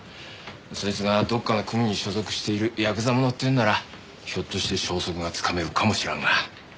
そいつがどっかの組に所属しているヤクザ者っていうんならひょっとして消息がつかめるかもしらんが。